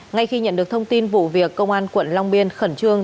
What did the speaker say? ngay khi nhận được thông tin vụ việc công an quận long biên khẩn trương